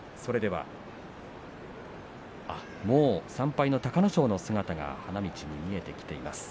もう３敗の隆の勝の姿が花道に見えてきています。